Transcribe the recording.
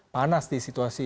panas di situasi